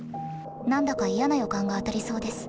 何だか嫌な予感が当たりそうです。